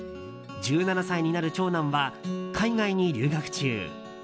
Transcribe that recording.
１７歳になる長男は海外に留学中。